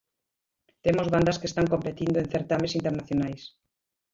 Temos bandas que están competindo en certames internacionais.